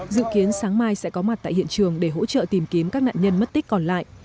dự kiến sáng mai sẽ có mặt tại hiện trường để hỗ trợ tìm kiếm các nạn nhân mất tích còn lại